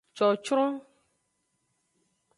Cocron.